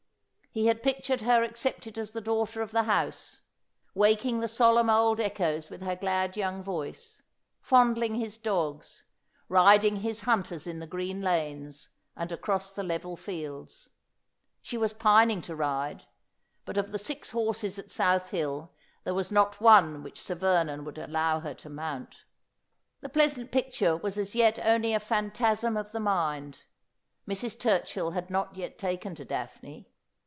He had pictured her accepted as the daughter of the house ; waking the solemn old echoes with her glad young voice ; fond ling his dogs ; riding his hunters in the green lanes, and across the level fields. She was pining to ride ; but of the six horses at South Hill there was not one which Sir Vernon would allow her to mount. The pleasant picture was as yet only a phantasm of the mind. Mrs. Turchill had not yet taken to Daphne.